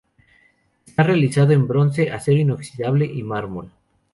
Está realizada en bronce, acero inoxidable y mármol.